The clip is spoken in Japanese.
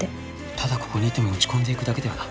ただここにいても落ち込んでいくだけだよな。